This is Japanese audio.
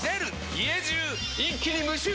家中一気に無臭化！